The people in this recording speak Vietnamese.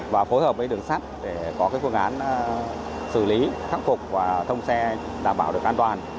và phối hợp với đường sắt để có phương án xử lý khắc phục và thông xe đảm bảo được an toàn